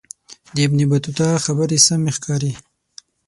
د ابن بطوطه خبرې سمې ښکاري.